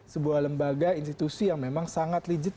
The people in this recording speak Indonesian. sebuah lembaga institusi yang memang sangat legit